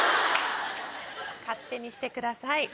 勝手にしてください。